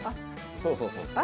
そうそうそうそう。